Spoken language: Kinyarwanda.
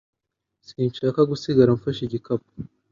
Sinshaka gusigara mfashe igikapu